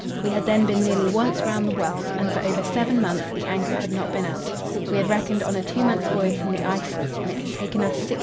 We had then been nearly once round the world, and for over seven months the anchor had not been out. We had reckoned on a two months' voyage from the ice, and it had taken us sixty two days. The Oceanographical Cruise.